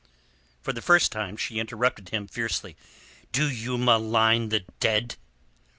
For the first time she interrupted him, fiercely. "Do you malign the dead?"